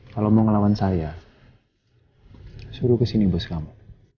kalau mau ngelawan saya suruh kesini bos kamu